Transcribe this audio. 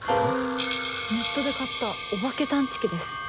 ネットで買ったおばけ探知機です。